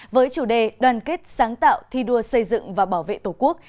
với chủ đề đoàn kết sáng tạo thi đua xây dựng và bảo vệ tổ quốc